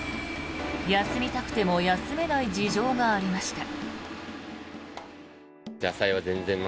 休みたくても休めない事情がありました。